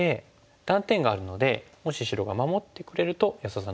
断点があるのでもし白が守ってくれると安田さん